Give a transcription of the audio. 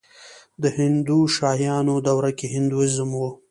د هندوشاهیانو دوره کې هندویزم و